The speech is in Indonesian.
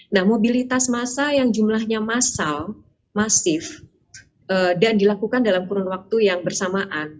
nah mobilitas massa yang jumlahnya massal masif dan dilakukan dalam kurun waktu yang bersamaan